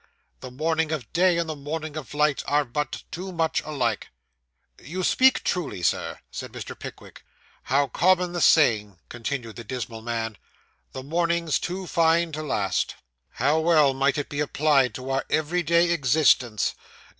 The morning of day and the morning of life are but too much alike.' 'You speak truly, sir,' said Mr. Pickwick. 'How common the saying,' continued the dismal man, '"The morning's too fine to last." How well might it be applied to our everyday existence.